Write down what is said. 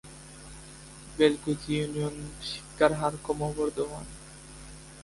Belkuchi union শিক্ষার হার ক্রমবর্ধমান।